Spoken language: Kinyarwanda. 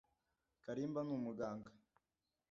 “Kalimba ni umuhanga